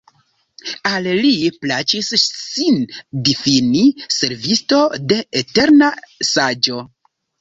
Al li plaĉis sin difini «Servisto de eterna Saĝo».